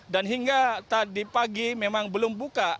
dan hingga tadi pagi memang belum buka